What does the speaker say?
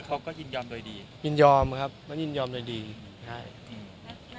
คือเขาก็ยินยอมโดยดียินยอมครับมันยินยอมโดยดีใช่แล้วก็ได้ให้ส่วนของคดีที่เป็น